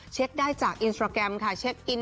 เช็คได้จากอินสตราแกรมค่ะ